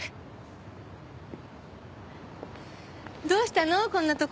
どうしたの？